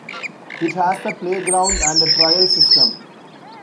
It has a playground and a trail system.